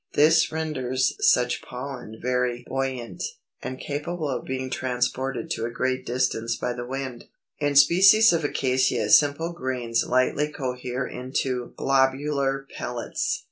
This renders such pollen very buoyant, and capable of being transported to a great distance by the wind. 299. In species of Acacia simple grains lightly cohere into globular pellets.